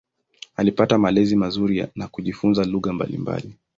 Alipata malezi mazuri na kujifunza lugha mbalimbali.